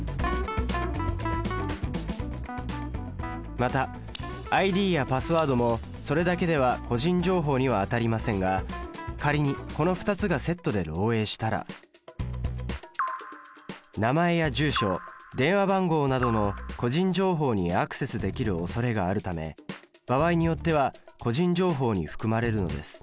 またＩＤやパスワードもそれだけでは個人情報にはあたりませんが仮にこの２つがセットで漏えいしたら名前や住所電話番号などの個人情報にアクセスできるおそれがあるため場合によっては個人情報に含まれるのです。